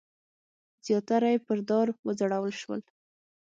زیاتره یې پر دار وځړول شول.